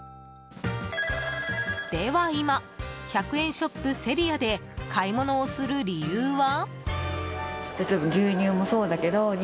では、今１００円ショップ、セリアで買い物をする理由は？